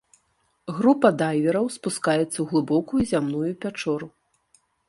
Група дайвераў спускаецца ў глыбокую зямную пячору.